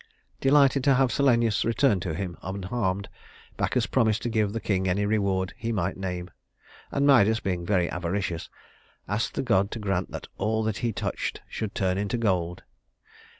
Delighted to have Silenus returned to him unharmed, Bacchus promised to give the king any reward he might name; and Midas, being very avaricious, asked the god to grant that all that he touched should turn into gold.